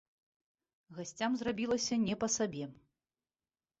Гасцям зрабілася не па сабе.